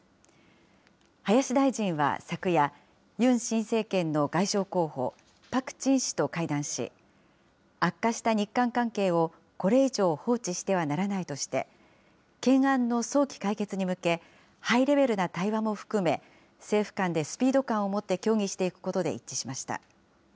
林大臣は昨夜、ユン新政権の外相候補、パク・チン氏と会談し、悪化した日韓関係をこれ以上、放置してはならないとして、懸案の早期解決に向け、ハイレベルな対話も含め、政府間でスピード感をもって協議していくことで一致しました。